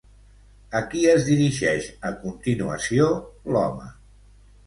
A qui es dirigeix a continuació, l'home?